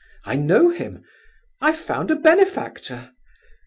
I know him. I've found a benefactor.